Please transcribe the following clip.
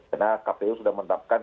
karena kpu sudah menetapkan